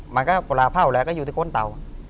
มันก็ประเภาแล้วก็อยู่ที่ก้นเตา